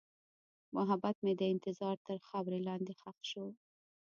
محبت مې د انتظار تر خاورې لاندې ښخ شو.